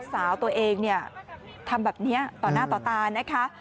สาวตัวเองเนี่ยทำแบบนี้ต่อหน้าต่อตานะคะ